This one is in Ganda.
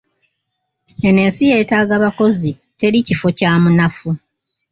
Eno ensi yeetaaga bakozi, teri kifo kya munafu.